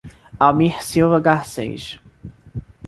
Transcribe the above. Almir Silva Garcez